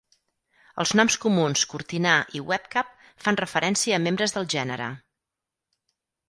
Els noms comuns cortinar i webcap fan referència a membres del gènere.